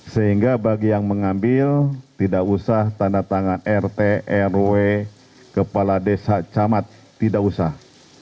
sehingga bagi yang mengambil tidak usah tanda tangan rt rw kepala desa camat tidak usah